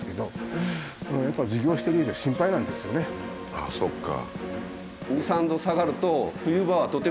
ああそっか。